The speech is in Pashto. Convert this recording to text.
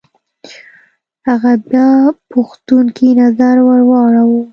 هغه بيا پوښتونکی نظر ور واړوه.